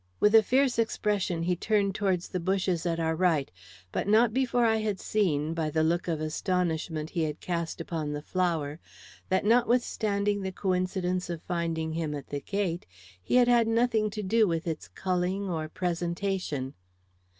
With a fierce expression he turned towards the bushes at our right, but not before I had seen, by the look of astonishment he had cast upon the flower, that, notwithstanding the coincidence of finding him at the gate, he had had nothing to do with its culling or presentation.